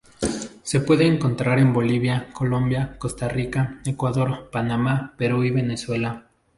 Se puede encontrar en Bolivia, Colombia, Costa Rica, Ecuador, Panamá, Perú y Venezuela.